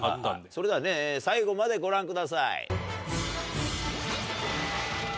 それでは最後までご覧ください。